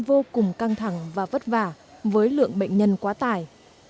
vô cùng căng thẳng và vất vả với lượng bệnh nhân quá tải